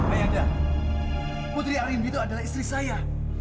ayanda putri arimpi itu adalah istri saya